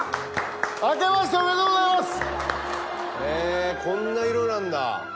へぇこんな色なんだ。